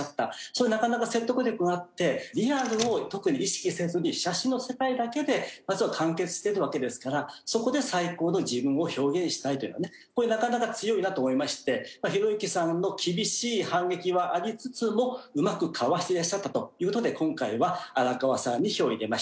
それなかなか説得力があってリアルを特に意識せずに写真の世界だけで完結してるわけですからそこで最高の自分を表現したいというのはねこれなかなか強いなと思いましてひろゆきさんの厳しい反撃はありつつもうまくかわしていらっしゃったという事で今回は荒川さんに票を入れました。